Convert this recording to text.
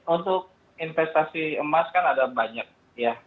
untuk investasi emas kan ada banyak ya